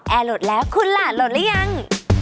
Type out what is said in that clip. แอร์โหลดแล้วคุณล่ะโหลดแล้วยัง